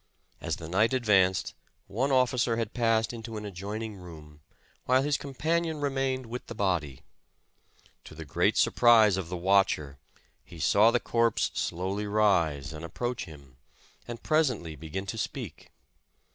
As the night advanced, one officer had passed into an adjoining room, while his compan ion remained with the body. To the great surprise of tlie watcher, he saw the corpse slowly rise and approach him, and presently begin to speak.